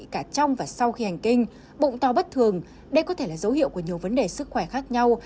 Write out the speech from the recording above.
cả trong và sau khi hành kinh bụng to bất thường đây có thể là dấu hiệu của nhiều vấn đề sức khỏe khác nhau